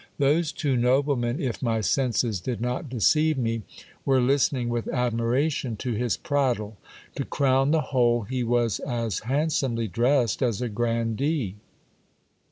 Those two noblemen, if my senses did not deceive me, were listening with admiration to his prattle. To crown the whole, he was as handsomely dressed as a grandee.